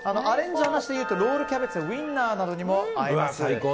アレンジでいうとロールキャベツやウインナーなどにも合います。